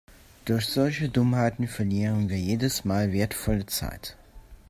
Durch solche Dummheiten verlieren wir jedes Mal wertvolle Zeit.